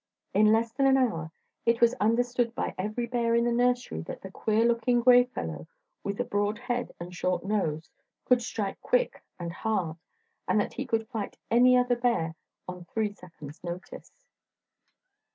In less than an hour it was understood by every bear in the Nursery that that queer looking gray fellow with the broad head and short nose could strike quick and hard, and that he could fight any other bear on three seconds' notice.